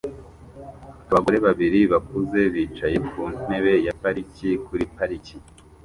Abagore babiri bakuze bicaye ku ntebe ya parike kuri parike